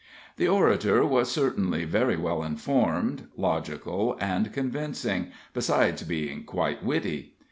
The orator was certainly very well informed, logical and convincing, besides being quite witty.